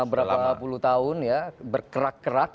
berapa puluh tahun ya berkerak kerak